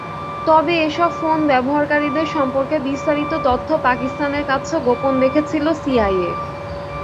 তবে এসব ফোন ব্যবহারকারীদের সম্পর্কে বিস্তারিত তথ্য পাকিস্তানের কাছেও গোপন রেখেছিল সিআইএ।